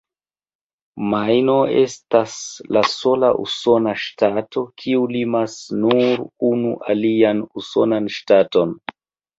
Majno estas la sola usona ŝtato, kiu limas nur unu alian usonan ŝtaton.